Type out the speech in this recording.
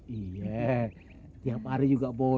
iya tiap hari juga boleh